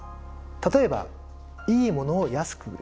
例えばいいものを安く売る。